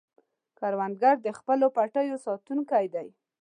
کروندګر د خپلو پټیو ساتونکی دی